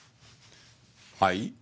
はい？